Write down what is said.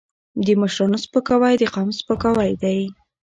د مشرانو سپکاوی د قوم سپکاوی دی.